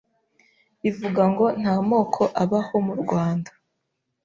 ivuga ngo nta moko abaho murwanda